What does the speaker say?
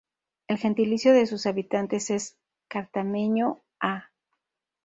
El gentilicio de sus habitantes es cartameño-a.